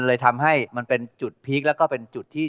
คอยนับวันให้เธอกลับมา